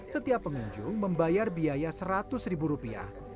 setiap pengunjung membayar biaya seratus ribu rupiah untuk kerajinan gerabah di kawasan ini